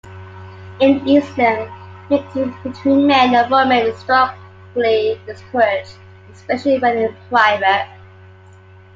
In Islam, mixing between men and women is strongly discouraged, especially when in private.